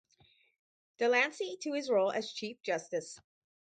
De Lancey to his role as Chief Justice.